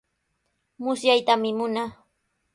Musyaytami munaa.